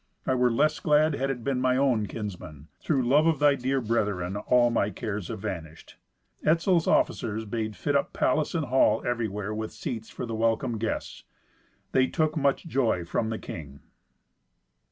"I were less glad had it been mine own kinsmen. Through love of thy dear brethren all my cares have vanished." Etzel's officers bade fit up palace and hall everywhere with seats for the welcome guests. They took much joy from the king.